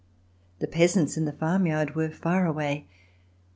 The peasants in the farm yard were far away.